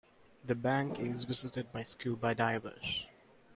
The Bank is visited by scuba divers.